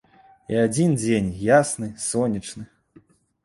І адзін дзень ясны сонечны.